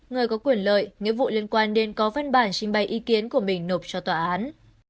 người có quyền lợi nghĩa vụ liên quan đến có văn bản trình bày ý kiến của mình nộp cho tòa án